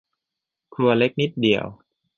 ครัวเล็กนิดเดียว